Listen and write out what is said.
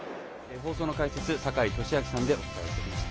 放送の解説は坂井利彰さんでお伝えしてきました。